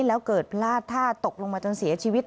แล้วเกิดพลาดท่าตกลงมาจนเสียชีวิต